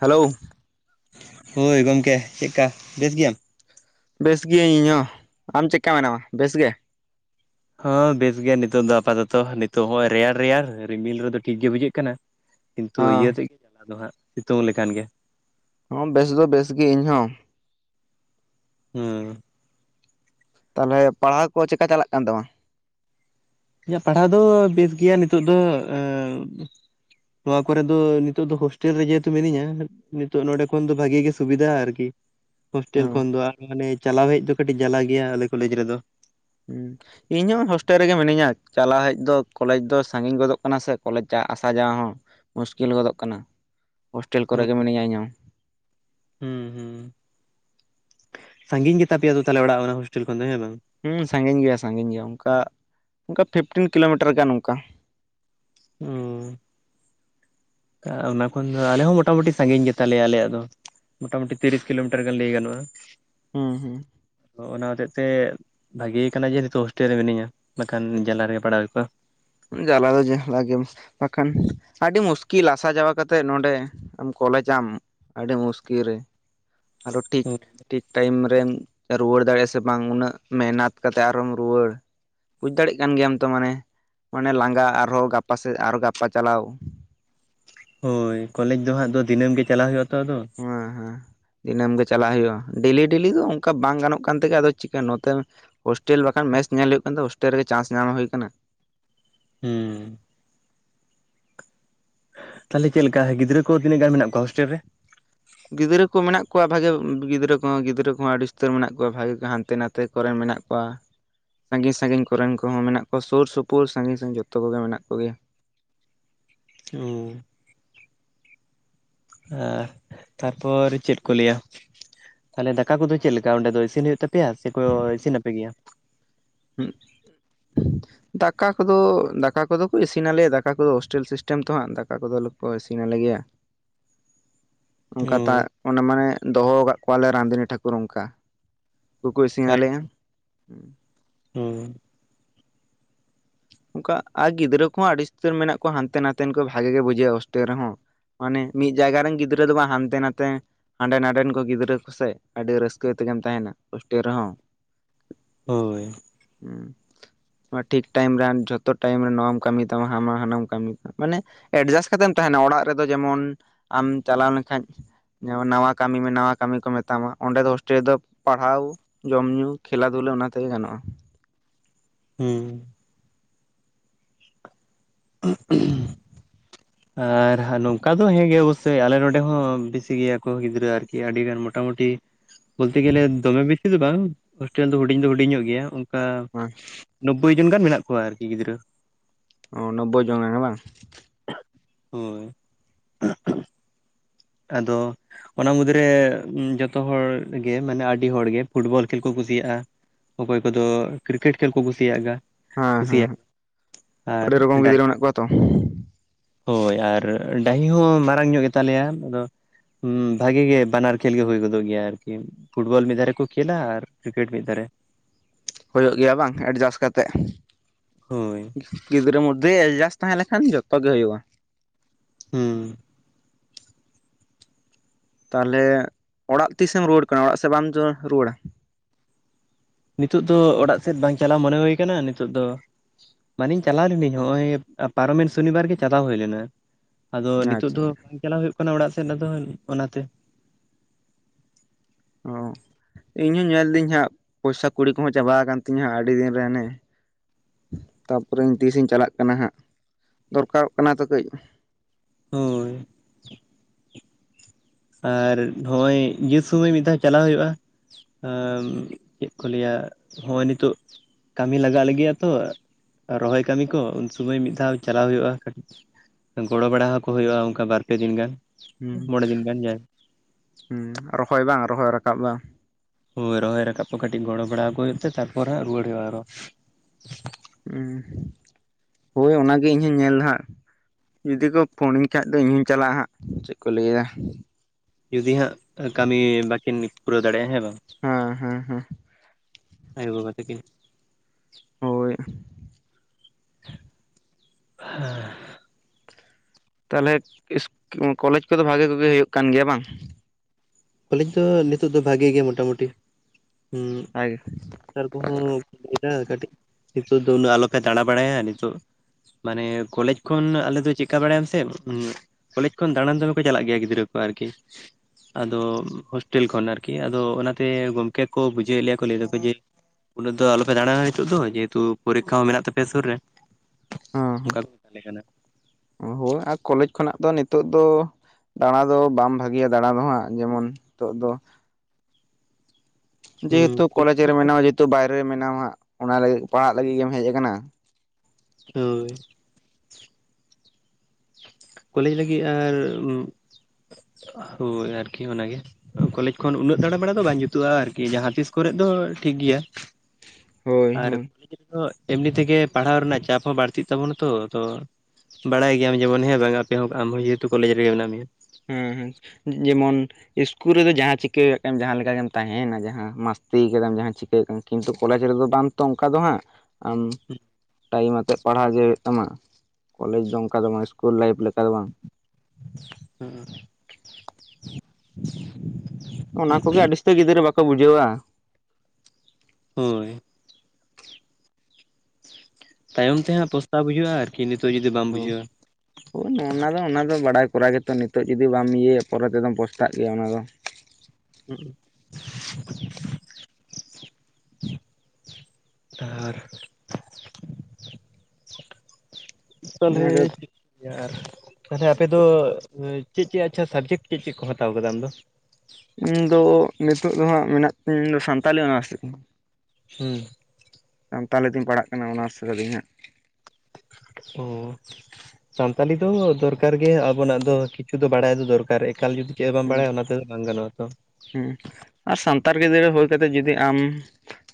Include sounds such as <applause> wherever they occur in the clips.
Hello ᱦᱳᱭ ᱜᱚᱢᱠᱮ ᱪᱮᱫ ᱞᱮᱠᱟ ᱵᱮᱥ ᱜᱮᱭᱟᱢ ᱵᱮᱥ ᱜᱤᱭᱟᱹᱤᱧ ᱦᱚᱸ ᱟᱢ ᱪᱮᱫᱠᱟ ᱢᱮᱱᱟᱢᱟ ᱵᱮᱥ ᱜᱮᱮ ᱦᱚᱸ ᱵᱮᱥ ᱜᱮᱭᱟ ᱱᱤᱛᱚᱜ ᱫᱚ ᱟᱯᱟᱛᱚᱛᱚ ᱱᱤᱛᱚᱜ ᱦᱚᱸᱜᱼᱚᱭ ᱨᱮᱭᱟᱲ ᱨᱮᱭᱟᱲ ᱨᱤᱢᱤᱞ ᱨᱮᱫᱚ ᱴᱷᱤᱠ ᱜᱮ ᱵᱩᱡᱷᱟᱹᱜ ᱠᱟᱱᱟ ᱠᱤᱱᱛᱩ ᱤᱭᱟᱹ ᱦᱚᱸ ᱛᱮᱜᱮ ᱫᱚ ᱦᱟᱸᱜ ᱥᱤᱛᱩᱝ ᱞᱮᱠᱟᱱ ᱜᱮ ᱦᱚᱸ ᱵᱮᱥ ᱫᱚ ᱵᱮᱥ ᱜᱮ ᱤᱧ ᱦᱚᱸ ᱦᱩᱸ ᱛᱟᱦᱚᱞᱮ ᱯᱟᱲᱦᱟᱣ ᱠᱚ ᱪᱮᱠᱟ ᱪᱟᱞᱟᱜ ᱠᱟᱱ ᱛᱟᱢᱟ ᱤᱧᱟᱹᱜ ᱯᱟᱲᱦᱟᱣ ᱫᱚ ᱵᱮᱥ ᱜᱮᱭᱟ ᱱᱤᱛᱚᱜ ᱫᱚ <unintelligible> ᱱᱚᱣᱟ ᱠᱚᱨᱮ ᱫᱚ ᱱᱤᱛᱚᱜ ᱫᱚ ᱦᱳᱥᱴᱮᱞ ᱨᱮ ᱡᱮᱦᱮᱛᱩ ᱢᱤᱱᱟᱹᱧᱟ᱾ ᱱᱤᱛᱚᱜ ᱱᱚᱰᱮ ᱠᱷᱚᱱ ᱫᱚ ᱵᱷᱟᱜᱤ ᱜᱮ ᱥᱩᱵᱤᱫᱷᱟ ᱟᱨᱠᱤ᱾ ᱦᱳᱥᱴᱮᱞ ᱦᱚᱸ ᱠᱷᱚᱱ ᱫᱚ ᱟᱨ ᱢᱟᱱᱮ ᱪᱟᱞᱟᱣ ᱦᱮᱡ ᱫᱚ ᱠᱟᱹᱴᱤᱡ ᱡᱟᱞᱟ ᱜᱮᱭᱟ ᱟᱞᱮ ᱠᱚᱞᱮᱡᱽ ᱨᱮᱫᱚ ᱦᱩᱸ ᱤᱧᱦ ᱦᱚᱸ ᱦᱳᱥᱴᱮᱞ ᱨᱮᱜᱮ ᱢᱤᱱᱟᱹᱧᱟ ᱪᱟᱞᱟᱣ ᱦᱮᱡ ᱫᱚ ᱠᱚᱞᱮᱡᱽ ᱫᱚ ᱥᱟᱺᱜᱤᱧ ᱜᱚᱫᱚᱜ ᱠᱟᱱᱟ ᱥᱮ ᱠᱚᱞᱮᱡᱽ ᱡᱟ ᱟᱥᱟ ᱡᱟᱭᱟ ᱦᱚᱸ ᱢᱩᱥᱠᱤᱞ ᱜᱚᱫᱚᱜ ᱠᱟᱱᱟ ᱦᱚᱳᱥᱴᱮᱞ ᱠᱚᱨᱮ ᱦᱩᱸ ᱜᱮ ᱢᱤᱱᱟᱹᱧᱟ ᱤᱧᱦ ᱦᱚᱸ ᱦᱩᱸ ᱦᱩᱸ ᱥᱟᱺᱜᱤᱧ ᱜᱮᱛᱟ ᱯᱮᱭᱟ ᱟᱫᱚ ᱚᱲᱟᱜ ᱚᱱᱟ ᱦᱳᱥᱴᱮᱞ ᱠᱷᱚᱱ ᱫᱚ ᱦᱮᱸ ᱵᱟᱝ ᱦᱩᱸ ᱥᱟᱺᱜᱤᱧ ᱜᱮᱭᱟ ᱥᱟᱺᱜᱤᱧ ᱜᱮᱭᱟ ᱚᱱᱠᱟ ᱚᱱᱠᱟ ᱯᱷᱤᱯᱴᱤᱱ ᱠᱤᱞᱳᱢᱤᱴᱟᱨ ᱜᱟᱱ ᱚᱱᱠᱟ ᱚᱸ ᱚᱱᱟ ᱠᱷᱚᱱ ᱫᱚ ᱟᱞᱮ ᱦᱚᱸ ᱢᱚᱴᱟᱢᱩᱴᱤ ᱥᱟᱺᱜᱤᱧ ᱜᱮᱛᱟ ᱞᱮᱭᱟ ᱟᱞᱮᱭᱟᱜ ᱫᱚ ᱢᱚᱴᱟᱢᱩᱴᱤ ᱛᱤᱨᱤᱥ ᱠᱤᱞᱳᱢᱤᱴᱟᱨ ᱜᱟᱱ ᱞᱟᱹᱭ ᱜᱟᱱᱚᱜᱼᱟ ᱦᱩᱸ ᱦᱩᱸ ᱛ ᱚᱱᱟ ᱦᱚᱛᱮᱜ ᱛᱮ ᱵᱷᱟᱜᱮ ᱠᱟᱱᱟ ᱡᱮ ᱱᱤᱛᱚᱜ ᱦᱳᱥᱴᱮᱞ ᱨᱮ ᱢᱤᱹᱱᱟᱹᱡ ᱧᱟ ᱵᱟᱠᱷᱟᱱ ᱡᱟᱞᱟ ᱨᱮᱜᱮ ᱯᱟᱲᱟᱣ ᱦᱩᱭ ᱠᱚᱼᱟ ᱡᱟᱞᱟ ᱫᱚ ᱡ ᱞᱟᱜᱮᱢ ᱵᱟᱠᱷᱟᱱ ᱟᱹᱰᱤ ᱢᱩᱥᱠᱤᱞ ᱟᱥᱟ ᱡᱟᱣᱟ ᱠᱟᱛᱮᱫ ᱱᱚᱰᱮ ᱟᱢ ᱠᱚᱞᱮᱮᱡᱟᱢ ᱟᱹᱰᱤ ᱢᱩᱥᱠᱤᱞ ᱨᱮ ᱟᱨᱚ ᱴᱷᱤᱠ ᱴᱷᱤᱠ ᱴᱟᱭᱤᱢ ᱨᱮᱢ ᱨᱩᱣᱟᱹᱲ ᱫᱟᱲᱮᱭᱟᱜᱼᱟ ᱥᱮ ᱵᱟᱝ ᱩᱱᱟᱹᱜ ᱢᱮᱦᱱᱚᱛ ᱠᱟᱛᱮᱮᱫ ᱟᱨᱦᱚᱢ ᱨᱩᱣᱟᱹᱲ ᱵᱩᱡᱽ ᱫᱟᱲᱮᱜ ᱠᱟᱱ ᱜᱮᱭᱟᱢ ᱛᱚ ᱢᱟᱱᱮ ᱢᱟᱱᱮ ᱞᱟᱸᱜᱟ ᱟᱨᱦᱚᱸ ᱜᱟᱯᱟ ᱥᱮᱫ ᱟᱨᱚᱸ ᱜᱟᱯᱟ ᱪᱟᱞᱟᱣ ᱦᱳᱭ ᱠᱚᱞᱮᱡᱽ ᱫᱚ ᱦᱟᱸᱜ ᱫᱚ ᱫᱤᱱᱟᱹᱢ ᱜᱮ ᱪᱟᱞᱟᱜ ᱦᱩᱭᱩᱜ ᱟᱛᱚ ᱟᱫᱚ ᱦᱮᱸ ᱦᱮᱸ ᱫᱤᱱᱟᱹᱢ ᱜᱮ ᱪᱟᱞᱟᱜ ᱦᱩᱭᱩᱜᱼᱟ ᱰᱮᱞᱤ ᱰᱮᱞᱤ ᱫᱚ ᱚᱱᱠᱟ ᱵᱟᱝ ᱜᱟᱱᱚᱜ ᱠᱟᱱ ᱛᱮᱜᱮ ᱟᱫᱚ ᱪᱤᱠᱟᱹ ᱱᱚᱛᱮ ᱦᱳᱥᱴᱮᱞ ᱵᱟᱠᱷᱟᱱ ᱢᱮᱥᱪ ᱧᱮᱞ ᱦᱩᱭᱩᱜ ᱠᱟᱱ ᱫᱚ ᱦᱳᱥᱴᱮᱞ ᱨᱮ ᱪᱟᱱᱥ ᱧᱟᱢ ᱦᱩᱭ ᱟᱠᱟᱱᱟ ᱦᱩᱸ ᱛᱟᱦᱚᱞᱮ ᱪᱮᱫ ᱞᱮᱠᱟ ᱜᱤᱫᱽᱨᱟᱹ ᱠᱚ ᱛᱤᱱᱟᱹ ᱜ ᱜᱟᱱ ᱢᱮᱱᱟᱜ ᱠᱚᱭᱟ ᱦᱳᱥᱴᱮᱞ ᱨᱮ ᱜᱤᱫᱽᱨᱟᱹ ᱠᱚ ᱢᱮᱱᱟᱜ ᱠᱚᱣᱟ ᱵᱷᱟᱜᱮ ᱜᱤᱫᱽᱨᱟᱹ ᱠᱚᱦᱚᱸ ᱢᱮᱱᱟᱜ ᱠᱚᱣᱟ ᱵᱷᱟᱜᱮ ᱜᱤᱫᱽᱨᱟᱹ ᱠᱚᱢᱟ ᱟᱹᱰᱤ ᱩᱛᱟᱹᱨ ᱢᱮᱱᱟᱜ ᱠᱚᱣᱟ ᱵᱷᱟᱜᱮ ᱠᱚ ᱦᱟᱱᱛᱮ ᱱᱟᱛᱮ ᱠᱚᱨᱮᱱ ᱢᱮᱱᱟᱜ ᱠᱚᱣᱟ <unintelligible> ᱳᱭᱟ ᱥᱟᱺᱜᱤᱧ ᱥᱟᱺᱜᱤᱧ ᱠᱚᱨᱮᱱ ᱠᱚᱦᱚᱸ ᱢᱮᱱᱟᱜ ᱠᱚᱣᱟ ᱥᱩᱨ ᱥᱩᱯᱩᱨ ᱥᱟᱺᱜᱤᱧ ᱥᱟᱺᱜᱤᱧ ᱡᱚᱛᱚ ᱠᱚᱜᱮ ᱢᱮᱱᱟᱜ ᱠᱚᱜᱮᱭᱟ ᱚᱻ ᱮᱸ ᱛᱟᱨᱯᱚᱨ ᱪᱮᱫ ᱠᱚ ᱞᱟᱹᱭᱟ ᱛᱟᱦᱚᱞᱮ ᱫᱟᱠᱟ ᱠᱚᱫᱚ ᱪᱮᱫ ᱞᱮᱠᱟ ᱚᱸᱰᱮ ᱫᱚ ᱤᱥᱤᱱ ᱦᱩᱭᱩᱜ ᱛᱟᱯᱮ ᱟᱯᱮᱭᱟ ᱥᱮᱠᱚ ᱤᱥᱤᱱ ᱱᱟᱯᱮ ᱜᱮᱭᱟ ᱦᱩᱸ <inaudible> ᱫᱟᱠᱟ ᱠᱚᱫᱚ ᱫᱟᱠᱟ ᱠᱚᱫᱚ ᱠᱚ ᱤᱥᱤᱱᱟᱞᱮᱭᱟ ᱫᱟᱠᱟ ᱫᱚ ᱦᱳᱥᱴᱮᱞ ᱥᱤᱥᱴᱮᱢ ᱛ ᱦᱟᱸᱜ ᱫᱟᱠᱟ ᱠᱚᱫᱚ ᱞ ᱠᱚᱭ ᱥᱮᱱᱟ ᱞᱮᱜᱮᱭᱟ <inaudible> ᱚᱱᱠᱟ ᱚ ᱛᱟ ᱚᱱᱮ ᱢᱟᱱᱮ ᱫᱚᱦᱚ ᱠᱟᱜ ᱠᱚᱣᱟᱞᱮ ᱨᱟᱱᱫᱤᱱᱤ ᱴᱷᱟᱹᱠᱩᱨ ᱚᱱᱠᱟ ᱩᱱᱠᱩᱠᱚ ᱤᱥᱤᱱᱞᱮᱭᱟ ᱦᱮ ᱦᱩᱸ ᱚᱱᱠᱟ ᱟᱨ ᱜᱤᱫᱽᱨᱟᱹ ᱠᱚᱦᱚᱸ ᱟᱹᱰᱤ ᱩᱛᱟᱹᱨ ᱢᱮᱱᱟᱜ ᱠᱚᱣᱟ ᱦᱟᱱᱛᱮ ᱱᱟᱛᱮᱱ ᱠᱚ ᱵᱷᱟᱜᱮ ᱜᱮ ᱵᱩᱡᱷᱟᱹᱜᱼᱟ ᱦᱳᱥᱴᱮᱞ ᱨᱮᱦᱚᱸ ᱢᱟᱱᱮ ᱢᱤᱫ ᱡᱟᱭᱜᱟ ᱨᱮᱱ ᱜᱤᱫᱽᱨᱟᱹ ᱫᱚ ᱵᱟᱝ ᱦᱟᱱᱛᱮ ᱱᱟᱛᱮ ᱦᱟᱸᱰᱮ ᱱᱟᱰᱮᱱ ᱠᱚ ᱜᱤᱫᱽᱨᱟᱹ ᱠᱚ ᱥᱮ ᱟᱹᱰᱤ ᱨᱟᱹᱥᱠᱟᱹ ᱛᱮᱜᱮᱢ ᱛᱟᱦᱮᱸᱱᱟ ᱦᱳᱥᱴᱮᱞ ᱨᱮᱦᱚᱸ ᱦᱳᱭ ᱦᱩᱸ ᱱᱚᱣᱟ ᱴᱷᱤᱠ ᱴᱟᱭᱤᱢ ᱨᱮ <unintelligible> ᱡᱷᱚᱛᱚ ᱴᱟᱭᱤᱢ ᱨᱮ ᱱᱚᱣᱟᱢ ᱠᱟᱹᱢᱤ ᱛᱟᱢᱟ ᱦᱟᱢ ᱦᱟᱱᱟᱢ ᱠᱟᱹᱢᱤ ᱛᱟᱢᱟ ᱢᱟᱱᱮ ᱮᱰᱡᱟᱥᱴ ᱠᱟᱛᱮᱫ ᱮᱢ ᱛᱟᱦᱮᱱᱟ ᱚᱲᱟᱜ ᱨᱮᱫᱚ ᱡᱮᱢᱚᱱ ᱟᱢ ᱪᱟᱞᱟᱣ ᱞᱮᱱᱠᱷᱟᱡ ᱡᱮᱢᱚᱱ ᱱᱟᱣᱟ ᱠᱟᱹᱢᱤ ᱢᱮ ᱱᱟᱣᱟ ᱠᱟᱹᱢᱤ ᱠᱚ ᱢᱮᱛᱟᱢᱟ ᱚᱸᱰᱮ ᱫᱚ ᱦᱳᱥᱴᱮᱞ ᱨᱮ ᱫᱚ ᱯᱟᱲᱦᱟᱣ ᱡᱚᱢ ᱧᱩ ᱠᱷᱮᱞᱟ ᱫᱷᱩᱞᱟ ᱚᱱᱟ ᱛᱮᱜᱮ ᱜᱟᱱᱚᱜᱼᱟ ᱦᱩᱸ ᱟᱨ ᱱᱚᱝᱠᱟ ᱫᱚ ᱦᱮᱸ ᱜᱮ ᱚᱵᱚᱥᱳᱭ ᱟᱞᱮ ᱱᱚᱰᱮ ᱦᱚᱸ ᱵᱮᱥᱤ ᱜᱮᱭᱟ ᱠᱚ ᱜᱤᱫᱽᱨᱟᱹ ᱟᱨᱠᱤ ᱟᱹᱰᱤ ᱜᱟᱱ ᱢᱚᱴᱟ ᱢᱩᱴᱤ ᱵᱚᱞᱛᱮ ᱜᱮᱞᱮ ᱫᱚᱢᱮ ᱵᱮᱥᱤ ᱫᱚ ᱵᱟᱝ ᱦᱳᱥᱴᱮᱞ ᱫᱚ ᱦᱩᱰᱤᱧ ᱫᱚ ᱦᱩᱰᱤᱧ ᱧᱚᱜ ᱜᱮᱭᱟ ᱚᱱᱠᱟ ᱦᱮᱸ ᱱᱚᱵᱽᱵᱳᱭ ᱡᱚᱱ ᱜᱟᱱ ᱢᱮᱱᱟᱜ ᱠᱚᱣᱟ ᱟᱨᱠᱤ ᱜᱤᱫᱽᱨᱟᱹ ᱚ ᱱᱚᱵᱽᱵᱳᱭ ᱡᱚᱱᱟ ᱜᱮ ᱵᱟᱝ ᱦᱳᱭ ᱟᱫᱚ ᱚᱱᱟ ᱢᱩᱫᱽᱨᱮ ᱡᱚᱛᱚ ᱦᱚᱲ ᱜᱮ ᱢᱟᱱᱮ ᱟᱹᱰᱤ ᱦᱚᱲ ᱜᱮ ᱯᱷᱩᱴᱵᱚᱞ ᱠᱷᱮᱞ ᱠᱚ ᱠᱩᱥᱤᱭᱟᱜᱼᱟ ᱚᱠᱚᱭ ᱠᱚᱫᱚ ᱠᱨᱤᱠᱮᱴ ᱠᱷᱮᱞ ᱠᱚ ᱠᱩᱥᱤᱭᱟᱜ ᱜᱟ ᱦᱮᱸ ᱦᱮᱸ ᱟᱹᱰᱤ ᱨᱚᱠᱚᱢ ᱰᱟᱦᱤ ᱜᱤᱫᱽᱨᱟᱹ ᱢᱮᱱᱟᱜ ᱠᱚᱣᱟ ᱛᱚ ᱦᱳᱭ ᱟᱨ ᱰᱟᱹᱦᱤ ᱦᱚᱸ ᱢᱟᱨᱟᱝ ᱧᱚᱜ ᱜᱮᱛᱟᱞᱮᱭᱟ ᱟᱫᱚ ᱵᱷᱟᱜᱤ ᱜᱮ ᱵᱟᱱᱟᱨ ᱠᱷᱮᱞ ᱜᱮ ᱦᱩᱭ ᱜᱚᱫᱚᱜ ᱜᱮᱭᱟ ᱟᱨᱠᱤ ᱯᱷᱩᱴᱵᱚᱞ ᱢᱤᱫ ᱫᱷᱟᱨᱮ ᱠᱚ ᱠᱷᱮᱞᱟ ᱟᱨ ᱠᱨᱤᱠᱮᱴ ᱢᱤᱫ ᱫᱷᱟᱨᱮ ᱦᱩᱭᱩᱜ ᱜᱮᱭᱟ ᱵᱟᱝ ᱮᱰᱡᱟᱥᱴ ᱠᱟᱛᱮ ᱦᱳᱭ ᱜᱤᱫᱽᱨᱟᱹ ᱢᱚᱫᱽᱫᱷᱮ ᱮᱰᱡᱟᱥᱴ ᱛᱟᱦᱮᱸ ᱞᱮᱱᱠᱷᱟᱱ ᱡᱚᱛᱚ ᱜᱮ ᱦᱩᱭᱩᱜᱼᱟ ᱦᱩᱸ ᱛᱟᱦᱚᱞᱮ ᱚᱲᱟᱜ ᱛᱤᱥᱮᱢ ᱨᱩᱣᱟᱹᱲ ᱠᱟᱱᱟ ᱚᱲᱟᱜ ᱥᱮᱫ ᱵᱟᱢ ᱨᱩᱣᱟᱹᱲᱟ ᱱᱤᱛᱚᱜ ᱫᱚ ᱚᱲᱟᱜ ᱥᱮᱫ ᱵᱟᱝ ᱪᱟᱞᱟᱣ ᱢᱚᱱᱮ ᱦᱩᱭ ᱟᱠᱟᱱᱟ ᱱᱤᱛᱚᱜ ᱫᱚ ᱢᱟᱱᱮᱧ ᱪᱟᱞᱟᱣ ᱞᱮᱱᱟᱹᱧ ᱦᱚᱸᱜᱼᱚᱭ ᱯᱟᱨᱚᱢᱮᱱ ᱥᱚᱱᱤᱵᱟᱨ ᱜᱮ ᱪᱟᱞᱟᱣ ᱦᱩᱭ ᱞᱮᱱᱟ ᱟᱫᱚ ᱱᱤᱛᱳᱜ ᱟᱪᱪᱷᱟ ᱫᱚ ᱵᱟᱝ ᱪᱟᱞᱟᱣ ᱦᱩᱭᱩᱜ ᱠᱟᱱᱟ ᱚᱲᱟᱜ ᱥᱮᱫ ᱟᱫᱚ ᱚᱱᱟᱛᱮ ᱚ ᱻ ᱤᱧ ᱦᱚᱸᱧ ᱧᱮᱞ ᱮᱫᱟᱹᱧ ᱦᱟᱸᱜ ᱯᱚᱭᱥᱟ ᱠᱩᱲᱤ ᱠᱚᱦᱚᱸ ᱪᱟᱵᱟ ᱟᱠᱟᱱ ᱛᱤᱧᱟ ᱦᱟᱸᱜ ᱟᱹᱰᱤ ᱫᱤᱱ ᱨᱮ ᱦᱟᱱᱮ ᱛᱟᱯᱚᱨᱮᱧ ᱛᱤᱥᱤᱧ ᱪᱟᱞᱟᱜ ᱠᱟᱱᱟ ᱦᱟᱸᱜ ᱫᱚᱨᱠᱟᱨᱚᱜ ᱠᱟᱱᱟ ᱛᱚ ᱠᱟᱹᱡ ᱦᱳ ᱟᱨ ᱱᱚᱜ ᱚᱭ ᱧᱩᱛ ᱥᱩᱢᱟᱹᱭ ᱢᱤᱫ ᱫᱷᱟᱣ ᱪᱟᱞᱟᱣ ᱦᱩᱭᱩᱜᱼᱟ ᱟᱢ ᱪᱮᱫ ᱠᱚ ᱞᱟᱹᱭᱟ ᱦᱚᱸᱜᱼᱚᱭ ᱱᱤᱛᱳᱜ ᱠᱟᱹᱢᱤ ᱞᱟᱜᱟᱜ ᱞᱟᱹᱜᱤᱫ ᱟ ᱛᱚ ᱨᱚᱦᱚᱭ ᱠᱟᱹᱢᱤ ᱠᱚ ᱩᱱ ᱥᱩᱢᱚᱭ ᱢᱤᱫ ᱫᱷᱟᱣ ᱪᱟᱞᱟᱣ ᱦᱩᱭᱩᱜᱼᱟ ᱠᱟᱹᱴᱤᱡ ᱜᱚᱲᱚ ᱵᱟᱲᱟ ᱟᱠᱚ ᱦᱩᱭᱩᱜᱼᱟ ᱚᱱᱠᱟ ᱵᱟᱨ ᱯᱮ ᱫᱤᱱ ᱜᱟᱱ ᱦᱩᱸ ᱢᱚᱬᱮ ᱫᱤᱱ ᱜᱟᱱ ᱡᱟᱭ ᱦᱩᱸ ᱨᱚᱦᱚᱭ ᱵᱟᱝ ᱨᱚᱦᱚᱭ ᱨᱟᱠᱟᱵ ᱵᱟᱝ ᱦᱳᱭ ᱨᱚᱦᱚᱭ ᱨᱟᱠᱟᱵ ᱠᱚ ᱠᱟᱹᱴᱤᱡ ᱜᱚᱲᱚ ᱵᱟᱲᱟᱚ ᱦᱩᱭᱩᱜ ᱛᱮ ᱛᱟᱨᱯᱚᱨ ᱦᱟᱸᱜ ᱨᱩᱣᱟᱹᱲ ᱦᱩᱭᱩᱜᱼᱟ ᱟᱨᱦᱚ ᱦᱳᱭ ᱚᱱᱟᱜᱮ ᱤᱧ ᱦᱚᱧ ᱧᱮᱞᱫᱟ ᱦᱟᱜ ᱡᱩᱫᱤ ᱠᱚ ᱯᱷᱳᱱᱤᱧ ᱠᱷᱟᱡ ᱫᱚ ᱤᱧ ᱦᱩᱧ ᱪᱟᱞᱟᱜᱼᱟ ᱦᱟᱸᱜ ᱪᱮᱫ ᱠᱚ ᱞᱟᱹᱭᱮᱫᱟ ᱡᱩᱫᱤ ᱦᱟᱸᱜ ᱠᱟᱹᱢᱤ ᱵᱟᱹᱠᱤᱱ ᱯᱩᱨᱟᱹᱣ ᱫᱟᱲᱮᱭᱟᱜᱼᱟ ᱦᱮᱸ ᱵᱟᱝ ᱦᱟᱸ ᱦᱟᱸ ᱦᱟᱸ ᱟᱭᱳᱼᱵᱟᱵᱟ ᱛᱟᱠᱤᱱ ᱦᱳᱭ ᱦᱮᱸ ᱛᱟᱦᱚᱞᱮ ᱠᱚᱞᱮᱡᱽ ᱠᱚᱫᱚ ᱵᱷᱟᱜᱤ ᱠᱚᱜᱮ ᱦᱩᱭᱩᱜ ᱠᱟᱱ ᱜᱮᱭᱟ ᱵᱟᱝ? ᱠᱚᱞᱮᱡᱽ ᱫᱚ ᱱᱤᱛᱚᱜ ᱫᱚ ᱵᱷᱟᱜᱮ ᱜᱮᱭᱟ ᱢᱚᱴᱟᱢᱩᱴᱤ ᱦᱩᱸ ᱵᱷᱟᱜᱮ ᱢᱟᱥᱴᱟᱨ ᱠᱚ ᱦᱚᱸ ᱦᱚᱭ ᱫᱟ ᱠᱟᱹᱴᱤᱡ ᱱᱤᱛᱚᱜ ᱫᱚ ᱩᱱᱟᱹᱜ ᱟᱞᱚᱯᱮ ᱫᱟᱲᱟ ᱵᱟᱲᱟᱭᱟ ᱱᱤᱛᱚᱜ ᱢᱟᱱᱮ ᱠᱚᱞᱮᱡ ᱠᱷᱚᱱ ᱟᱞᱮᱫᱚ ᱪᱮᱫᱞᱮᱠᱟ ᱵᱟᱲᱟᱭᱟᱢ ᱥᱮ ᱠᱚᱞᱮᱡᱽ ᱠᱷᱚᱱ ᱫᱟᱬᱟᱱ ᱫᱚᱢᱮ ᱠᱚ ᱪᱟᱞᱟᱜ ᱜᱮᱭᱟ ᱜᱤᱫᱽᱨᱟᱹ ᱠᱚ ᱟᱨᱠᱤ ᱟᱫᱚ ᱦᱳᱥᱴᱮᱞ ᱠᱷᱚᱱ ᱟᱨᱠᱤ ᱟᱫᱚ ᱚᱱᱟᱛᱮ ᱜᱚᱝᱠᱮ ᱠᱚ ᱵᱩᱡᱷᱟᱹᱣ ᱮ ᱞᱮᱭᱟ ᱠᱚ ᱞᱟᱹᱭ ᱫᱟᱠᱚ ᱡᱮ ᱩᱱᱟᱹᱜ ᱫᱚ ᱟᱞᱚᱯᱮ ᱫᱟᱲᱟᱱᱟ ᱱᱤᱛᱚᱜ ᱫᱚ ᱡᱮᱦᱮᱛᱩ ᱯᱚᱨᱤᱠᱷᱟ ᱦᱚᱸ ᱢᱮᱱᱟᱜ ᱛᱟᱯᱮᱭᱟ ᱥᱩᱨ ᱨᱮ ᱦᱮᱸ ᱚᱱᱠᱟ ᱠᱟ ᱢᱮᱛᱟᱞᱮ ᱠᱟᱱᱟ ᱦᱳᱭ ᱟᱨ ᱠᱚᱞᱮᱡᱽ ᱠᱷᱚᱱᱟᱜ ᱫᱚ ᱱᱤᱛᱚᱜ ᱫᱚ ᱫᱟᱬᱟ ᱫᱚ ᱵᱟᱢ ᱵᱷᱟᱹᱜᱤᱭᱟ ᱫᱟᱬᱟ ᱫᱚ ᱦᱟᱸᱜ ᱡᱮᱢᱚᱱ ᱱᱤᱛᱚᱜ ᱫᱚ ᱦᱩᱸ ᱡᱮᱦᱮᱛᱩ ᱦᱳᱭ ᱠᱚᱞᱮᱡᱽ ᱨᱮ ᱢᱮᱱᱟᱢᱟ ᱡᱮᱦᱮᱛᱩ ᱵᱟᱭᱨᱮ ᱨᱮ ᱢᱮᱱᱟᱢᱟ ᱦᱟᱸᱜ ᱚᱱᱟ ᱞᱟᱹᱜᱤᱫ ᱯᱟᱲᱦᱟᱜ ᱞᱟᱹᱜᱤᱫ ᱜᱮᱢ ᱦᱮᱡ ᱟᱠᱟᱱᱟ ᱾ ᱦᱳᱭ ᱠᱚᱞᱮᱡᱽ ᱞᱟᱹᱜᱤᱫ ᱟᱨ ᱦᱳᱭ ᱟᱨᱠᱤ ᱚᱱᱟᱜᱮ ᱠᱚᱞᱮᱮᱡ ᱠᱷᱚᱱ ᱩᱱᱟᱹᱜ ᱫᱟᱲᱟ ᱵᱟᱲᱟ ᱫᱚ ᱵᱟᱝ ᱡᱩᱛᱩᱜᱼᱟ ᱟᱨᱠᱤ ᱡᱟᱦᱟᱸᱛᱤᱥ ᱠᱚᱨᱮᱜ ᱫᱚ ᱴᱷᱤᱠᱜᱮᱭᱟ <inaudible> ᱟᱨ ᱠᱚᱞᱮᱡᱽ ᱫᱚ ᱮᱢᱮ ᱛᱮᱜᱮ ᱯᱟᱲᱦᱟᱣ ᱨᱮᱱᱟᱜ ᱪᱟᱯ ᱦᱚᱸ ᱵᱟᱹᱲᱛᱤᱜ ᱛᱟᱵᱚᱱᱟ ᱛᱚ ᱟᱫᱚ ᱵᱟᱲᱟᱭ ᱜᱮᱭᱟᱢ ᱡᱮᱢᱚᱱ ᱦᱮᱸ ᱵᱟᱝ ᱟᱯᱮ ᱦᱚᱸ ᱟᱢᱦᱚᱸ ᱡᱮᱦᱮᱛᱩ ᱠᱚᱞᱮᱡᱽ ᱨᱮᱜᱮ ᱢᱮᱱᱟᱜ ᱢᱮᱭᱟ ᱦᱩᱸ ᱦᱩᱸ ᱡᱮᱢᱚᱱ ᱤᱥᱠᱩᱞ ᱨᱮᱫᱚ ᱡᱟᱦᱟᱸ ᱪᱤᱠᱟᱹᱭ ᱮᱢ ᱡᱟᱦᱟᱸ ᱞᱮᱠᱟ ᱜᱮᱢ ᱛᱟᱦᱮᱱᱟ ᱡᱟᱦᱟᱸ ᱢᱟᱥᱛᱤ ᱠᱟᱫᱟᱢ ᱡᱟᱦᱟᱸ ᱪᱤᱠᱟᱹᱭ ᱠᱤᱱᱛᱩ ᱠᱚᱞᱮᱡᱽ ᱨᱮᱫᱚ ᱵᱟᱝ ᱛᱚ ᱚᱱᱠᱟ ᱫᱚ ᱦᱟᱸᱜ ᱟᱢ ᱴᱟᱭᱤᱢ ᱟᱛᱮᱜ ᱯᱟᱲᱦᱟᱣ ᱜᱮ ᱦᱳᱭᱳᱜ ᱛᱟᱢᱟ ᱠᱚᱞᱮᱡᱽ ᱫᱚ ᱚᱱᱠᱟ ᱫᱚ ᱵᱟᱝ ᱠᱩᱞ ᱞᱟᱭᱤᱯ ᱞᱮᱠᱟ ᱫᱚ ᱵᱟᱝ ᱦᱩᱸ <unintelligible> ᱚᱱᱟ ᱠᱚᱜᱮ ᱟᱹᱰᱤᱥᱛᱳ ᱜᱤᱫᱽᱨᱟᱹ ᱵᱟᱠᱚ ᱵᱩᱡᱷᱟᱹᱣᱟ ᱦᱳᱭ ᱛᱟᱭᱚᱢ ᱛᱮᱦᱟᱸᱜ ᱯᱚᱥᱛᱟᱵ ᱦᱩᱭᱩᱜᱼᱟ ᱟᱨᱠᱤ ᱱᱤᱛᱚᱜ ᱡᱩᱫᱤ ᱵᱟᱢ ᱵᱩᱡᱷᱟᱹᱣᱟ ᱾ ᱦᱳᱭ ᱚᱱᱟ ᱫᱚ ᱚᱱᱟ ᱫᱚ ᱵᱟᱰᱟᱭ ᱠᱚᱨᱟ ᱜᱮᱛᱚ ᱱᱤᱛᱚᱜ ᱡᱩᱫᱤ ᱵᱟᱢ ᱤᱭᱟᱹᱭᱟ ᱯᱚᱨᱮ ᱛᱮᱫᱚᱢ ᱯᱚᱥᱛᱟᱜ ᱜᱮᱭᱟ ᱚᱱᱟ ᱫᱚ <inaudible> ᱟᱨ ᱛᱟᱞᱦᱮ ᱚᱱᱟᱜᱮ ᱟᱨ ᱛᱟᱞᱦᱮ ᱟᱯᱮ ᱫᱚ ᱪᱮᱜ ᱪᱮᱜ ᱟᱪᱪᱷᱟ ᱥᱟᱵᱽᱡᱮᱠᱴ ᱪᱮᱫ ᱪᱮᱫ ᱠᱚ ᱦᱟᱛᱟᱣ ᱠᱟᱫᱟᱢ ᱟᱢ ᱫᱚ? ᱤᱧ ᱫᱚ ᱱᱤᱛᱚᱜ ᱫᱚ ᱦᱟᱸᱜ ᱢᱮᱱᱟᱜ ᱛᱤᱧ ᱫᱚ ᱥᱟᱱᱛᱟᱞᱤ ᱚᱱᱟᱨᱥ ᱦᱩᱸ ᱥᱟᱱᱛᱟᱞᱤ ᱛᱤᱧ ᱯᱟᱲᱟᱜ ᱠᱟᱱᱟ ᱚᱱᱟᱨᱥ ᱠᱟᱫᱤᱧ ᱦᱟᱸᱜ ᱚ ᱥᱟᱱᱛᱟᱲᱤ ᱫᱚ ᱫᱚᱨᱠᱟᱨ ᱜᱮ ᱟᱵᱚᱱᱟᱜ ᱫᱚ ᱠᱤᱪᱷᱩ ᱫᱚ ᱵᱟᱲᱟᱭ ᱫᱚ ᱫᱚᱨᱠᱟᱨ ᱮᱠᱟᱞ ᱡᱩᱫᱤ ᱪᱮ ᱦᱚᱸ ᱵᱟᱢ ᱦᱩᱸ ᱵᱟᱲᱟᱭᱟ ᱚᱱᱟ ᱛᱮᱫᱚ ᱵᱟᱝ ᱜᱟᱱᱚᱜᱼᱟ ᱛᱮ ᱫᱚ ᱠᱟᱝᱜᱟᱞ ᱞᱚᱜᱛᱚ ᱦᱩᱸ ᱟᱨ ᱥᱟᱱᱛᱟᱲ ᱜᱤᱫᱽᱨᱟᱹ ᱦᱳᱭ ᱠᱟᱛᱮᱫ ᱡᱩᱫᱤ ᱟᱢ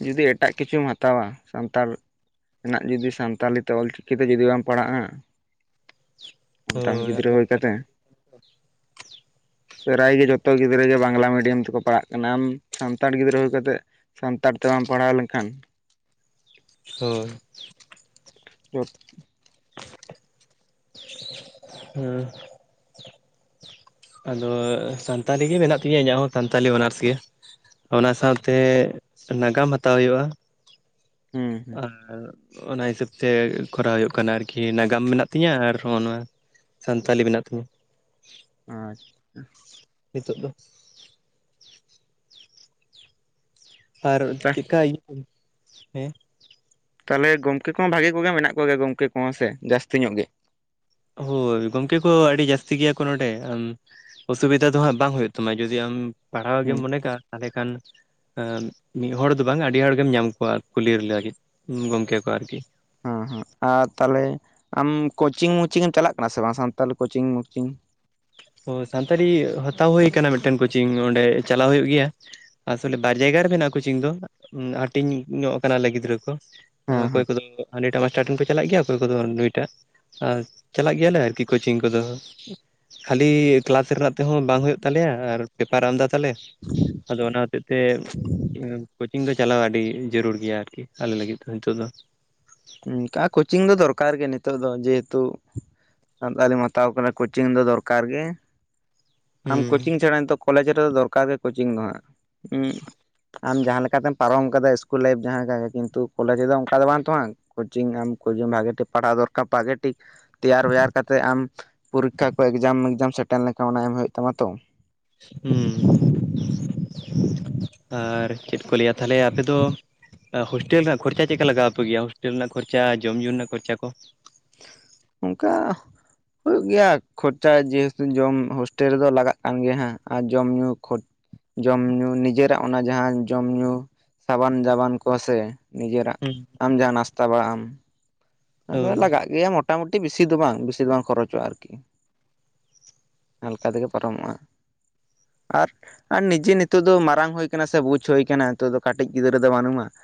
ᱡᱩᱫᱤ ᱮᱴᱟᱜ ᱠᱤᱪᱷᱩᱢ ᱦᱟᱛᱟᱣᱟ ᱥᱟᱱᱛᱟᱲ ᱱᱟᱜ ᱡᱩᱫᱤ ᱥᱟᱱᱛᱟᱞᱤ ᱛᱮ ᱚᱞᱪᱤᱠᱤ ᱛᱮ ᱡᱩᱫᱤ ᱵᱟᱢ ᱯᱟᱲᱟᱜᱼᱟ ᱛᱟᱢ ᱜᱤᱫᱽᱨᱟᱹ ᱦᱳᱭ ᱠᱟᱛᱮ ᱯᱲᱟᱭ ᱜᱮ ᱡᱚᱛᱚ ᱜᱤᱫᱽᱨᱟᱹ ᱜᱮ ᱵᱟᱝᱞᱟ ᱢᱤ ᱰᱤᱭᱟᱢ ᱛᱮᱠᱚ ᱯᱟᱲᱟᱜ ᱠᱟᱱᱟ ᱟᱢ ᱥᱟᱱᱛᱟᱲ ᱜᱤᱫᱽᱨᱟᱹ ᱦᱳᱭ ᱠᱟᱛᱮᱫ ᱥᱟᱱᱛᱟᱲ ᱛᱮ ᱵᱟᱢ ᱯᱟᱲᱦᱟᱣ ᱞᱮᱱᱠᱷᱟᱱ ᱦᱳᱭ <unintelligible> ᱦᱩᱸ <unintelligible> ᱟᱫᱚ ᱥᱟᱱᱛᱟᱲᱤ ᱜᱮ ᱢᱮᱱᱟᱜ ᱛᱤᱧᱟᱹ ᱤᱧᱟᱹᱜ ᱦᱚᱸ ᱥᱟᱱᱛᱟᱞᱤ ᱚᱱᱟᱨᱥ ᱜᱮ ᱚᱱᱟ ᱥᱟᱶᱛᱮ ᱱᱟᱜᱟᱢ ᱦᱟᱛᱟᱣ ᱦᱩᱭᱩᱜᱼᱟ ᱦᱩᱸ ᱟᱨ ᱚᱱᱟ ᱦᱤᱥᱟᱹᱵ ᱛᱮ ᱠᱚᱨᱟᱣ ᱦᱩᱭᱩᱜ ᱠᱟᱱ ᱟᱨᱠᱤ ᱱᱟᱜᱟᱢ ᱢᱮᱱᱟᱜ ᱛᱤᱧᱟ ᱟᱨ ᱦᱚᱸᱜ ᱱᱚᱣᱟ ᱥᱟᱱᱛᱟᱞᱤ ᱢᱮᱱᱟᱜ ᱛᱤᱧᱟᱹ ᱟᱪᱪᱷᱟ ᱱᱤᱛᱚᱜ ᱫᱚ ᱟᱨ ᱪᱤᱠᱟᱭ ᱦᱮᱸ ᱛᱟᱞᱮ ᱜᱚᱢᱠᱮ ᱠᱚᱦᱚᱸ ᱵᱷᱟᱜᱮ ᱠᱚᱜᱮ ᱢᱮᱱᱟᱜ ᱠᱚᱜᱮᱭᱟ ᱜᱚᱢᱠᱮ ᱠᱚᱦᱚᱸ ᱥᱮ ᱡᱟᱹᱥᱛᱤ ᱧᱚᱜ ᱜᱮ ᱦᱳᱭ ᱜᱚᱝᱠᱮ ᱠᱚ ᱟᱹᱰᱤ ᱡᱟᱹᱥᱛᱤ ᱜᱮᱭᱟ ᱠᱚ ᱱᱚᱸᱰᱮ ᱚᱥᱩᱵᱤᱫᱟ ᱫᱚ ᱦᱟᱸᱜ ᱵᱟᱝ ᱦᱩᱭᱩᱜ ᱛᱟᱢᱟ ᱡᱩᱫᱤ ᱟᱢ ᱯᱟᱲᱦᱟᱣ ᱜᱮᱢ ᱦᱩᱸ ᱢᱚᱱᱮ ᱠᱟᱜ ᱛᱟᱦᱚᱞᱮ ᱠᱷᱟᱱ ᱢᱤᱫ ᱦᱚᱲ ᱫᱚ ᱵᱟᱝ ᱟᱹᱰᱤ ᱦᱚᱲ ᱜᱮᱢ ᱧᱟᱢ ᱠᱚᱣᱟ ᱠᱩᱞᱤ ᱠᱚ ᱞᱟᱹᱜᱤᱫ ᱜᱚᱢᱠᱮ ᱠᱚ ᱟᱨ ᱠᱤ ᱦᱮᱸ ᱦᱮᱸ ᱟᱨ ᱛᱟᱦᱚᱞᱮ ᱟᱢ ᱠᱳᱪᱤᱝᱼ ᱩᱪᱤᱝ ᱮᱢ ᱪᱟᱞᱟᱜ ᱠᱟᱱᱟ ᱥᱮ ᱵᱟᱝ ᱜᱮ ᱥᱟᱱᱛᱟᱞᱤ ᱠᱳᱪᱤᱝ ᱩᱪᱤᱝ ᱥᱟᱱᱛᱟᱲᱤ ᱦᱟᱛᱟᱣ ᱦᱩᱭ ᱟᱠᱟᱱᱟ ᱢᱤᱫᱴᱮᱱ ᱠᱳᱪᱤᱝ ᱚᱸᱰᱮ ᱪᱟᱞᱟᱣ ᱦᱩᱭᱩᱜ ᱜᱮᱭᱟ ᱾ ᱟᱥᱚᱞᱮ ᱵᱟᱨ ᱡᱟᱭᱜᱟ ᱨᱮ ᱢᱮᱱᱟᱜᱼᱟ ᱠᱳᱪᱤᱝ ᱫᱚ ᱦᱟᱹᱴᱤᱧ ᱧᱚᱜ ᱠᱟᱱᱟᱞᱮ ᱜᱤᱫᱽᱨᱟᱹ ᱠᱚ ᱦᱮᱸ ᱚᱠᱚᱭ ᱦᱮᱸ ᱠᱚᱫᱚ ᱦᱟᱱᱤ ᱴᱟᱜ ᱵᱟᱭ ᱮᱴᱟᱜ ᱴᱷᱮᱱ ᱠᱚ ᱪᱟᱞᱟᱜ ᱜᱮᱭᱟ ᱚᱠᱚᱭ ᱠᱚᱫᱚ ᱱᱩᱭᱴᱟᱜ, ᱟᱨ ᱪᱟᱞᱟᱜ ᱜᱮᱭᱟ ᱞᱮ ᱟᱨ ᱠᱤ ᱠᱳᱪᱤᱝ ᱠᱚᱫᱚ ᱾ ᱠᱷᱟᱹᱞᱤ ᱠᱮᱞᱟᱥ ᱨᱮᱱᱟᱜ ᱛᱮᱦᱚᱸ ᱵᱟᱝ ᱦᱩᱭᱩᱜ ᱛᱟᱞᱮᱭᱟ ᱾ ᱟᱨ ᱯᱮᱯᱟᱨᱮ ᱟᱢᱫᱟ ᱛᱟᱞᱮ ᱟᱫᱚ ᱚᱱᱟ ᱦᱚᱛᱮ ᱛᱮ, ᱠᱳᱪᱤᱝ ᱫᱚ ᱪᱟᱞᱟᱣ ᱟᱹᱰᱤ ᱡᱟᱹᱨᱩᱲ ᱜᱮᱭᱟ, ᱟᱨ ᱠᱤ ᱟᱞᱮ ᱞᱟᱹᱜᱤᱫ ᱫᱚ ᱱᱤᱛᱚᱜ ᱫᱚ, ᱚᱱᱠᱟ ᱠᱳᱪᱤᱝ ᱫᱚ ᱫᱚᱨᱠᱟᱨ ᱜᱮᱭᱟ ᱱᱤᱛᱚᱜ ᱫᱚ ᱡᱮᱦᱮᱛᱩ ᱥᱟᱱᱛᱟᱞᱤᱢ ᱦᱟᱛᱟᱣ ᱠᱟᱱᱟ ᱠᱳᱪᱤᱝ ᱫᱚ ᱫᱚᱨᱠᱟᱨ ᱜᱮᱭᱟ, ᱟᱢ ᱦᱩᱸ ᱠᱳᱪᱤᱝ ᱪᱷᱟᱲᱟ ᱱᱤᱛᱚᱵ ᱠᱚᱞᱮᱡᱽ ᱨᱮᱫᱚ ᱫᱚᱨᱠᱟᱨ ᱜᱮ ᱠᱳᱪᱤᱝ ᱫᱚ ᱦᱟᱸᱜ, ᱟᱢ ᱡᱟᱦᱟᱸ ᱞᱮᱠᱟᱛᱮᱢ ᱯᱟᱨᱚᱢ ᱠᱟᱫᱟ ᱤᱥᱠᱩᱞ ᱞᱟᱭᱤᱯ ᱡᱟᱦᱟᱸ ᱠᱟᱜᱮ ᱠᱤᱱᱛᱩ ᱠᱚᱞᱮᱡᱽ ᱨᱮᱫᱚ ᱚᱱᱠᱟ ᱫᱚ ᱵᱟᱝ ᱛᱚ ᱵᱟᱝᱟ ᱾ ᱠᱳᱪᱤᱝ ᱟᱢ ᱠᱳᱪᱤᱝ ᱵᱷᱟᱜᱤ ᱴᱷᱤᱠ ᱯᱟᱲᱦᱟᱣ ᱫᱚᱨᱠᱟᱨ ᱜᱮ ᱛᱮᱭᱟᱨ ᱵᱮᱭᱟᱨ ᱠᱟᱛᱮ ᱟᱢ ᱯᱚᱨᱤᱠᱠᱷᱟ ᱠᱚ ᱮᱜᱡᱟᱢ ᱩᱜᱡᱟᱢ ᱥᱮᱴᱮᱨ ᱞᱮᱱᱠᱷᱟᱱ ᱚᱱᱟ ᱮᱢ ᱦᱩᱭᱩᱜ ᱛᱟᱢᱟ ᱛᱚ ᱾ ᱦᱩᱸ, ᱟᱨ ᱪᱮᱫ ᱠᱚ ᱞᱟᱹᱭᱟ ᱛᱟᱦᱚᱞᱮ ᱟᱯᱮ ᱫᱚ ᱦᱳᱥᱴᱮᱞ ᱨᱮᱱᱟᱜ ᱠᱷᱚᱨᱪᱟ ᱪᱮᱫᱠᱟ ᱞᱟᱜᱟᱣᱟᱯᱮ ᱜᱮᱭᱟ, ᱦᱳᱥᱴᱮᱞ ᱨᱮᱱᱟᱜ ᱠᱷᱚᱨᱪᱟ, ᱡᱚᱢ ᱧᱩ ᱨᱮᱱᱟᱜ ᱠᱷᱚᱨᱪᱟ ᱠᱚ? ᱚᱱᱠᱟ ᱦᱩᱭᱩᱜ ᱜᱮᱭᱟ ᱠᱷᱚᱨᱪᱟ ᱡᱮᱦᱮᱛᱩ ᱡᱚᱢ ᱦᱳᱥᱴᱮᱞ ᱨᱮᱫᱚ ᱞᱟᱜᱟᱜ ᱠᱟᱱ ᱜᱮᱭᱟ ᱦᱟᱜ, ᱟᱨ ᱡᱚᱢ ᱧᱩ ᱡᱚᱢ ᱧᱩ ᱱᱤᱡᱮᱨᱟᱜ ᱚᱱᱟ ᱡᱟᱦᱟᱸ ᱡᱚᱢ ᱧᱩ ᱥᱟᱵᱟᱱ ᱫᱟᱵᱟᱱ ᱠᱚ ᱥᱮ ᱱᱤᱡᱮᱨᱟᱜ ᱦᱮᱸ ᱟᱢ ᱡᱟᱦᱟᱸ ᱱᱟᱥᱛᱟ ᱵᱟᱲᱟᱜ ᱟᱢ ᱚᱱᱟ ᱠᱚ ᱦᱳᱭ ᱞᱟᱜᱟᱜ ᱜᱮᱭᱟ ᱢᱚᱴᱟᱢᱩᱴᱤ ᱵᱮᱥᱤ ᱫᱚ ᱵᱟᱝ ᱵᱮᱥᱤ ᱫᱚ ᱵᱟᱝ ᱠᱷᱚᱨᱚᱪᱚᱜᱼᱟ ᱟᱨ ᱠᱤ ᱾ ᱦᱟᱞᱠᱟ ᱛᱮᱜᱮ ᱯᱟᱨᱚᱢᱚᱜᱼᱟ, ᱟᱨ ᱟᱨ ᱱᱤᱡᱮ ᱱᱤᱛᱚᱜ ᱫᱚ ᱢᱟᱨᱟᱝ ᱦᱩᱭ ᱟᱠᱟᱱᱟ, ᱥᱮ ᱵᱩᱡ ᱦᱩᱭ ᱟᱠᱟᱱᱟ, ᱱᱤᱛᱚᱜ ᱫᱚ ᱠᱟᱹᱴᱤᱡ ᱜᱤᱫᱽᱨᱟᱹ ᱫᱚ ᱵᱟᱹᱱᱩᱢᱟ ᱾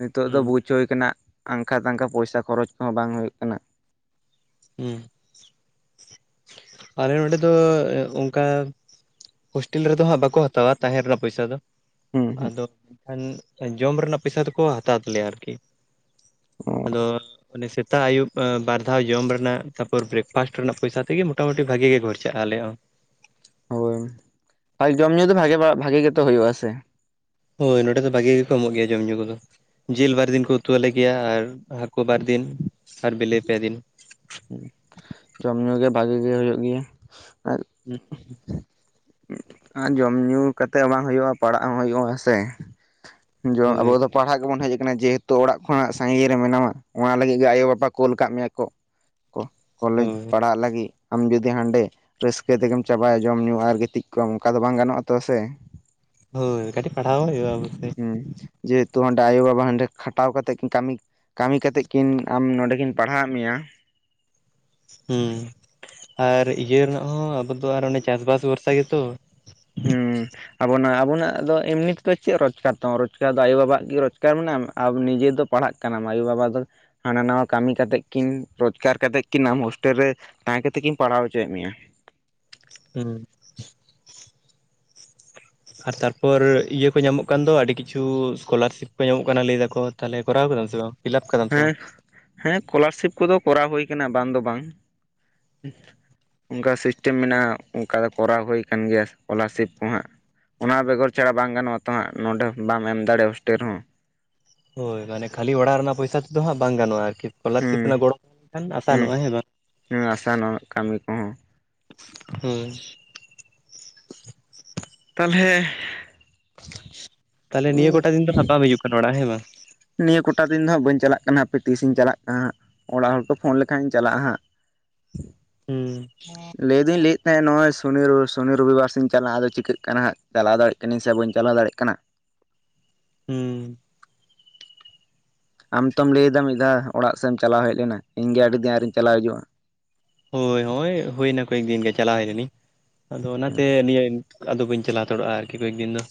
ᱱᱤᱛᱚᱜ ᱫᱚ ᱦᱩᱸ ᱵᱩᱡᱽ ᱦᱩᱭ ᱟᱠᱟᱱᱟ, ᱟᱱᱠᱷᱟ ᱛᱟᱱᱠᱷᱟ ᱯᱚᱭᱥᱟ ᱠᱷᱚᱨᱚᱪ ᱠᱚᱦᱚᱸ ᱵᱟᱝ ᱦᱩᱭᱩᱜ ᱠᱟᱱᱟ ᱾ ᱦᱮᱸ ᱟᱞᱮ ᱱᱚᱰᱮ ᱫᱚ ᱚᱱᱠᱟ ᱦᱳᱥᱴᱮᱞ ᱨᱮᱫᱚ ᱦᱟᱸᱜ ᱵᱟᱠᱚ ᱦᱟᱛᱟᱣᱟ ᱛᱟᱦᱮᱨ ᱨᱮᱱᱟᱜ ᱯᱚᱭᱥᱟ ᱫᱚ ᱾ ᱦᱩᱸ ᱟᱫᱚ ᱮᱠᱷᱟᱱ ᱡᱚᱢ ᱨᱮᱱᱟᱜ ᱯᱚᱭᱥᱟ ᱫᱚᱠᱚ ᱦᱟᱛᱟᱣ ᱛᱟᱞᱮᱭᱟ ᱟᱨ ᱠᱤ ᱾ ᱦᱩᱸ ᱟᱫᱚ ᱚᱱᱮ ᱥᱮᱛᱟᱜ ᱟᱹᱭᱩᱵ ᱵᱟᱨ ᱫᱷᱟᱣ ᱡᱚᱢ ᱨᱮᱱᱟᱜ, ᱛᱟᱨᱯᱚᱨᱮ ᱵᱨᱮᱠᱯᱷᱟᱥᱴ ᱨᱮᱱᱟᱜ ᱯᱚᱭᱥᱟ ᱛᱮᱜᱮᱢ ᱢᱚᱴᱟᱢᱩᱴᱤ ᱵᱷᱟᱜᱮ ᱜᱮ ᱜᱚᱨᱪᱟᱜᱼᱟ ᱟᱞᱮ ᱦᱚᱸ ᱾ ᱦᱳᱭ ᱡᱚᱢ ᱧᱩ ᱫᱚ ᱦᱟᱜ ᱵᱷᱟᱜᱮ ᱵᱷᱟᱜᱤ ᱜᱮᱛᱚ ᱦᱩᱭᱩᱜᱼᱟ ᱥᱮ ᱾ ᱦᱳᱭ, ᱱᱚᱸᱰᱮ ᱫᱚ ᱵᱷᱟᱜᱤ ᱜᱮᱠᱚ ᱮᱢᱚᱜ ᱜᱮᱭᱟ ᱡᱚᱢ ᱧᱩ ᱠᱚᱫᱚ ᱾ ᱡᱤᱞ ᱵᱟᱨ ᱫᱤᱱ ᱠᱚ ᱩᱛᱩᱣᱟᱞᱮ ᱜᱮᱭᱟ, ᱟᱨ ᱦᱟᱹᱠᱩ ᱵᱟᱨ ᱫᱤᱱ ᱴ, ᱟᱨ ᱵᱤᱞᱤ ᱯᱮ ᱫᱤᱱ ᱾ ᱦᱩᱸ, ᱡᱚᱢ ᱧᱩ ᱜᱮ ᱵᱷᱟᱜᱤ ᱜᱮ ᱦᱩᱭᱩᱜ ᱜᱮᱭᱟ, ᱟᱨ ᱦᱩᱸ ᱟᱨ ᱡᱚᱢ ᱧᱩ ᱠᱟᱛᱮ ᱦᱚᱸ ᱵᱟᱝ ᱦᱩᱭᱩᱜᱼᱟ, ᱯᱟᱲᱦᱟᱜ ᱦᱚᱸ ᱦᱩᱭᱩᱜᱼᱟ ᱦᱮᱸ ᱥᱮ ᱾ ᱡᱮᱢᱚᱱ ᱟᱵᱚ ᱦᱳᱭ ᱫᱚ ᱯᱟᱲᱦᱟᱜ ᱜᱮᱵᱚᱱ ᱦᱮᱡ ᱟᱠᱟᱱᱟ ᱡᱮᱦᱮᱛᱩ ᱚᱲᱟᱜ ᱠᱷᱚᱱᱟᱜ ᱥᱟᱺᱜᱤᱧ ᱨᱮ ᱢᱮᱱᱟᱢᱟ ᱾ ᱚᱱᱟ ᱞᱟᱹᱜᱤᱫ ᱜᱮ ᱟᱭᱳᱵᱟᱵᱟ ᱠᱩᱞ ᱟᱠᱟᱫ ᱢᱮᱭᱟ ᱠᱚ ᱾ <inaudible> ᱠᱚᱞᱮᱡᱽ ᱦᱳᱭ ᱯᱟᱲᱦᱟᱜ ᱞᱟᱹᱜᱤᱫ ᱟᱢ ᱡᱩᱫᱤ ᱦᱟᱸᱰᱮ ᱨᱟᱹᱥᱠᱟᱹ ᱛᱮᱜᱮᱢ ᱪᱟᱵᱟᱭᱟ, ᱡᱚᱢ ᱧᱩ ᱟᱨ ᱜᱤᱛᱤᱡ ᱠᱚᱜ ᱟᱢ ᱚᱱᱠᱟ ᱫᱚ ᱵᱟᱝ ᱜᱟᱱᱚᱜᱼᱟ ᱛᱚ ᱥᱮ ᱾ ᱦᱳᱭ ᱠᱟᱹᱴᱤᱡ ᱯᱟᱲᱦᱟᱣ ᱦᱚᱸ ᱦᱩᱭᱩᱜᱼᱟ, ᱢᱚᱡᱽᱛᱮ, ᱦᱮᱸ ᱡᱮᱦᱮᱛᱩ ᱦᱟᱸᱰᱮ ᱟᱭᱳᱼᱵᱟᱵᱟ ᱦᱚᱸ ᱚᱸᱰᱮ ᱠᱷᱟᱴᱟᱣ ᱠᱟᱛᱮ ᱠᱤᱱ ᱠᱟᱹᱢᱤ ᱠᱟᱹᱢᱤ ᱠᱟᱛᱮᱫ ᱠᱤᱱ ᱟᱢ ᱱᱚᱸᱰᱮ ᱠᱤᱱ ᱯᱟᱲᱦᱟᱣ ᱢᱮᱭᱟ ᱾ ᱦᱩᱸ, ᱟᱨ ᱤᱭᱟᱹ ᱨᱮᱱᱟᱜ ᱦᱚᱸ ᱟᱵᱚ ᱫᱚ ᱟᱨ ᱚᱱᱮ ᱪᱟᱥ ᱵᱟᱥ ᱵᱷᱚᱨᱥᱟ ᱜᱮᱛᱚ᱾ ᱦᱩᱸ ᱟᱵᱚ ᱟᱵᱚᱱᱟᱜ ᱫᱚ ᱮᱢᱱᱤ ᱛᱮᱫᱚ ᱪᱮᱫ ᱨᱳᱪᱜᱟᱨ ᱛᱵᱚ ᱨᱳᱪᱜᱟᱨ ᱫᱚ ᱟᱭᱳᱼᱵᱟᱵᱟ ᱣᱟᱜ ᱜᱮ ᱨᱳᱪᱜᱟᱨ ᱢᱮᱱᱟᱜᱼᱟ ᱱᱤᱡᱮᱨ ᱫᱚ ᱾ ᱯᱟᱲᱦᱟᱜ ᱠᱟᱱᱟᱢ ᱟᱭᱳᱼᱵᱟᱵᱟ ᱫᱚ ᱦᱟᱱᱟ ᱱᱟᱣᱟ ᱠᱟᱹᱢᱤ ᱠᱟᱛᱮᱫ ᱠᱤᱱ ᱨᱚᱡᱽᱜᱟᱨ ᱠᱟᱛᱮᱫ ᱠᱤᱱ ᱟᱢ ᱦᱳᱥᱴᱮᱞ ᱨᱮ ᱛᱟᱦᱮᱸ ᱠᱟᱛᱮᱫ ᱠᱤᱧ ᱯᱟᱲᱦᱟᱣ ᱦᱚᱪᱚᱭᱮᱫ ᱢᱮᱭᱟ ᱾ ᱦᱩᱸ ᱟᱨ ᱛᱟᱨᱯᱚᱨ ᱤᱭᱟᱹ ᱠᱚ ᱧᱟᱢᱚᱜ ᱫᱚ ᱟᱹᱰᱤ ᱠᱤᱪᱷᱩ ᱮᱥᱠᱚᱞᱟᱨᱥᱤᱯ ᱠᱚ ᱧᱟᱢᱚᱜ ᱠᱟᱱᱟ ᱞᱟᱹᱭ ᱫᱟᱠᱚ ᱛᱟᱦᱚᱞᱮ, ᱠᱚᱨᱟᱣ ᱠᱟᱫᱟᱢ ᱥᱮ ᱵᱟᱝ? ᱯᱷᱤᱞᱟᱯ ᱠᱟᱫᱟᱢ ᱥᱮ ᱵᱟᱝ ᱦᱮᱸ, ᱦᱮᱸ ᱮᱥᱠᱚᱞᱟᱨᱥᱤᱯ ᱠᱚᱫᱚ ᱠᱚᱨᱟᱣ ᱦᱳᱭ ᱟᱠᱟᱱᱟ ᱵᱟᱝ ᱫᱚ ᱵᱟᱝ᱾ ᱚᱱᱠᱟ ᱥᱤᱥᱴᱮᱢ ᱢᱮᱱᱟᱜᱼᱟ ᱚᱱᱠᱟ ᱫᱚ ᱠᱚᱨᱟᱣ ᱦᱳᱭ ᱟᱠᱟᱱ ᱜᱮᱭᱟ ᱮᱥᱠᱚᱞᱟᱨᱥᱤᱯ ᱠᱚᱦᱟᱸᱜ ᱚᱱᱟ ᱵᱮᱜᱚᱨ ᱪᱷᱟᱲᱟ ᱵᱟᱝ ᱜᱟᱱᱚᱜᱼᱟ ᱛᱚ ᱦᱟᱸᱜ ᱱᱚᱰᱮ ᱵᱟᱢ ᱮᱢ ᱫᱟᱲᱮᱭᱟᱜᱼᱟ ᱦᱚᱥᱴᱮᱞ ᱨᱮᱦᱚᱸ᱾ ᱦᱳᱭ ᱢᱟᱱᱮ ᱠᱷᱟᱹᱞᱤ ᱚᱲᱟᱜ ᱨᱮᱱᱟᱜ ᱯᱚᱭᱥᱟ ᱛᱮᱫᱚ ᱦᱟᱸᱜ ᱵᱟᱝ ᱜᱟᱱᱚᱜᱼᱟ ᱟᱨᱠᱤ ᱮᱥᱠᱚᱞᱟᱨᱥᱤᱯ ᱦᱩᱸ ᱛᱟᱦᱮᱱ ᱜᱚᱲᱚ ᱞᱮᱠᱷᱟᱱ ᱦᱩᱸ ᱟᱥᱟᱱᱚᱜᱼᱟ ᱦᱮᱸ ᱵᱟᱝ? ᱦᱩᱸ ᱟᱥᱟ ᱱᱚᱣᱟ ᱠᱟᱹᱢᱤ ᱠᱚᱦᱚᱸ ᱦᱩᱸ ᱛᱟᱞᱦᱮ ᱛᱟᱦᱞᱮ ᱱᱤᱭᱟᱹ ᱠᱚ ᱴᱟᱝ ᱫᱤᱱ ᱫᱚ ᱦᱟᱸᱜ ᱵᱟᱢ ᱦᱤᱡᱩᱜ ᱠᱟᱱᱟ ᱚᱲᱟᱜ ᱦᱮᱸ ᱵᱟᱝ? ᱱᱤᱭᱟᱹ ᱠᱚᱴᱟ ᱫᱤᱱ ᱫᱚ ᱦᱟᱸᱜ ᱵᱟᱹᱧ ᱪᱟᱞᱟᱜ ᱠᱟᱱᱟ ᱦᱟᱯᱮ ᱛᱤᱥ ᱤᱧ ᱪᱟᱞᱟᱜ ᱠᱟᱱᱟ ᱦᱟᱸᱜ ᱚᱲᱟᱜ ᱦᱚᱲ ᱠᱚ ᱯᱷᱚᱱ ᱞᱮᱠᱷᱟᱱ ᱤᱧ ᱪᱟᱞᱟᱜᱼᱟ ᱦᱟᱸᱜ᱾ ᱦᱩᱸ᱾ ᱞᱟᱹᱭ ᱫᱩᱧ ᱞᱟᱹᱭ ᱮᱫ ᱛᱟᱦᱮᱸᱫ ᱱᱚᱜᱼᱚᱭ ᱥᱚᱱᱤ ᱥᱚᱱᱤ ᱨᱩᱵᱤᱵᱟᱨ ᱥᱮᱧ ᱪᱟᱞᱟᱜᱼᱟ ᱟᱫᱚ ᱪᱤᱠᱟᱹᱜ ᱠᱟᱱᱟ ᱦᱟᱸᱜ ᱪᱟᱞᱟᱣ ᱫᱟᱲᱮᱭᱟᱜ ᱠᱟᱹᱱᱟᱹᱧ ᱥᱮ ᱵᱟᱹᱧ ᱪᱟᱞᱟᱣ ᱫᱟᱲᱮᱜ-ᱠᱟᱱᱟ? ᱦᱩᱸ ᱟᱢ ᱛᱚᱢ ᱞᱟᱹᱭ ᱮᱫᱟ ᱢᱤᱫ ᱫᱷᱟᱣ ᱚᱲᱟᱜ ᱥᱮᱫ ᱮᱢ ᱪᱟᱞᱟᱣ ᱦᱮᱡ ᱞᱮᱱᱟ ᱤᱧ ᱜᱮ ᱟᱹᱰᱤ ᱫᱤᱱ ᱟᱨᱤᱧ ᱪᱟᱞᱟᱣ ᱦᱤᱡᱩᱜᱼᱟ᱾ ᱦᱳᱭ ᱦᱳᱭ ᱦᱩᱭ ᱮᱱᱟ ᱠᱚᱭᱮᱠ ᱫᱤᱱ ᱜᱮ ᱪᱟᱞᱟᱣ ᱦᱮᱡ ᱞᱮᱱᱟᱹᱤᱧ ᱟᱫᱚ ᱚᱱᱟᱛᱮ ᱱᱤᱭᱟᱹ ᱟᱫᱚ ᱵᱟᱹᱧ ᱪᱟᱞᱟᱣ ᱦᱟᱛᱟᱲᱚᱜ-ᱟ ᱟᱨᱠᱤ ᱠᱟ. ᱡ ᱫᱤᱱ ᱫᱚ᱾